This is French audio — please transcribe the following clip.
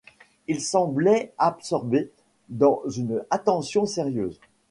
Il semblait absorbé dans une attention sérieuse.